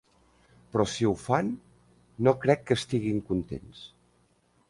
Però si ho fan, no crec que estiguin contents.